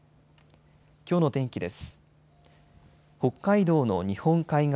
きょうの天気です。